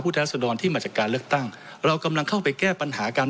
ผู้ท้ายลักษณ์ดอนที่มาจากการเลือกตั้งเรากำลังเข้าไปแก้ปัญหาการ